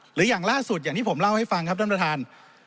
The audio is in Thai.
หรืออย่างล่าสุดที่ผมเล่าให้ฟังครับต้อนรธาน